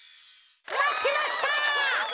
まってました。